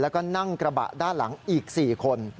แล้วก็นั่งกระบะด้านหลังอีก๔คน